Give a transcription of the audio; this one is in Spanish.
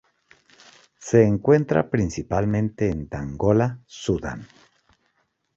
Se encuentra principalmente en Dongola, Sudán.